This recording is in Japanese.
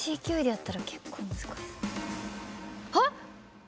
あっ！